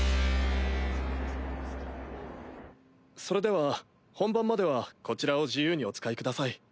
それでは本番まではこちらを自由にお使いください。